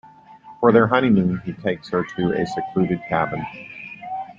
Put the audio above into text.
For their honeymoon, he takes her to a secluded cabin.